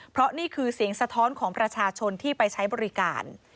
เพราะนี่คือเสียงสะท้อนของประชาชนที่ไปใช้บริการ